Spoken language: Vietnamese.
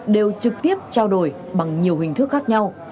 đều trực tiếp trao đổi bằng nhiều hình thức khác nhau